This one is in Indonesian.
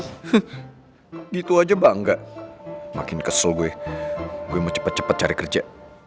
heh gitu aja bangga makin kesel gue gue mau cepet cepet cari kerja